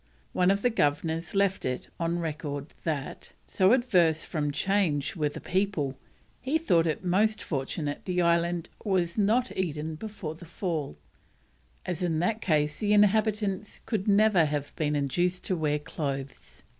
One of the Governors left it on record that, so averse from change were the people, he thought it most fortunate the island was not Eden before the fall, as in that case the inhabitants could never have been induced to wear clothes.